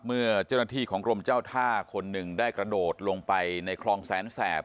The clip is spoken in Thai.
เมื่อเจ้าหน้าที่ของกรมเจ้าท่าคนหนึ่งได้กระโดดลงไปในคลองแสนแสบ